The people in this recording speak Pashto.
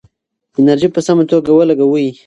انرژي په سمه توګه ولګوئ.